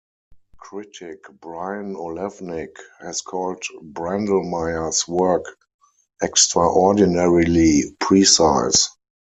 Critic Brian Olewnick has called Brandlmayr's work "extraordinarily precise".